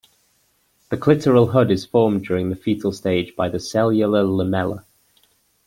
The clitoral hood is formed during the fetal stage by the cellular lamella.